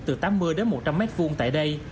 từ tám mươi đến một trăm linh mét vuông tại đây